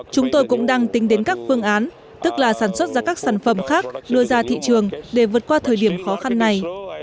chúng tôi cũng đang tính đến các phương án tức là sản xuất ra các sản phẩm khác đưa ra thị trường để vượt qua thời điểm khó khăn này